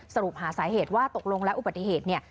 สรุปหาสาเหตุว่าตกลงแล้วอุบัติเหตุเนี่ย